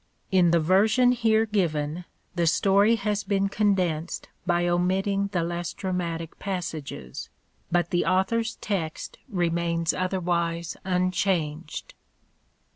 In the version here given the story has been condensed by omitting the less dramatic passages, but the author's text remains otherwise unchanged.